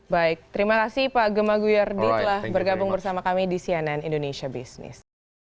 baik terima kasih pak gema guyardi telah bergabung bersama kami di cnn indonesia business